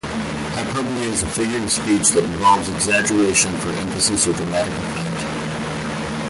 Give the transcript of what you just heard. Hyperbole is a figure of speech that involves exaggeration for emphasis or dramatic effect.